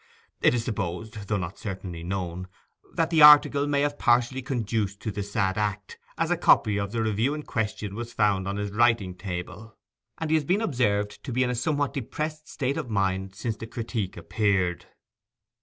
It is supposed, though not certainly known, that the article may have partially conduced to the sad act, as a copy of the review in question was found on his writing table; and he has been observed to be in a somewhat depressed state of mind since the critique appeared.